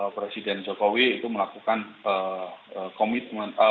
presiden jokowi itu melakukan komitmen